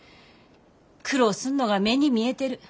苦労すんのが目に見えてる。